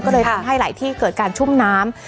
แถมให้หลายที่เกิดการชุ่มน้ำ